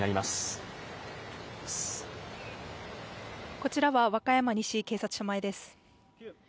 こちらは和歌山西警察署前です。